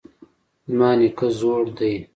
زما نیکه زوړ دی